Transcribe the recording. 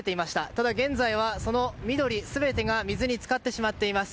ただ現在はその緑全てが水に浸かってしまっています。